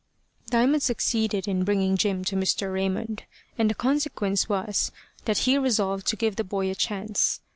Diamond succeeded in bringing Jim to Mr. Raymond, and the consequence was that he resolved to give the boy a chance.